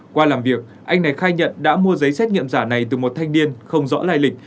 qua làm việc anh này khai nhận đã mua giấy xét nghiệm giả này từ một thanh niên không rõ lai lịch